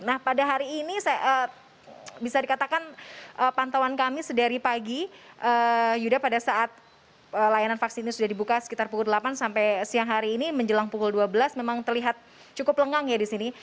nah pada hari ini bisa dikatakan pantauan kami sedari pagi yuda pada saat layanan vaksin ini sudah dibuka sekitar pukul delapan sampai siang hari ini menjelang pukul dua belas memang terlihat cukup lengang ya di sini